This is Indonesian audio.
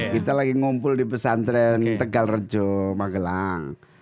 kita lagi ngumpul di pesantren tegal rejo magelang